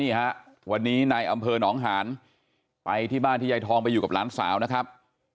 ฮะวันนี้นายอำเภอหนองหานไปที่บ้านที่ยายทองไปอยู่กับหลานสาวนะครับ